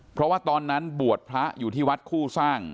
เพราะว่าตอนนั้นบวชพระอยู่ที่วัดคู่สร้าง